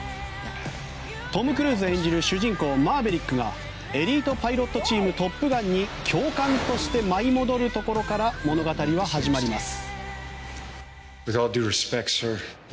トム・クルーズ演じる主人公、マーヴェリックがエリートパイロットチームトップガンに教官として舞い戻るところから物語は始まります。